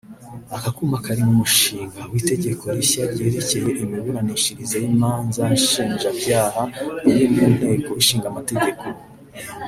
Ako kuma kari mu mushinga w’itegeko rishya ryerekeye imiburanishirize y’imanza nshinjabyaha riri mu Nteko Ishinga Amategeko